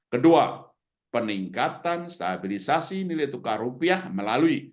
kedua peningkatan stabilisasi nilai tukar rupiah melalui